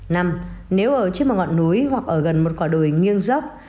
năm nếu ở trên một ngọn núi hoặc ở gần một quả đồi nghiêng dốc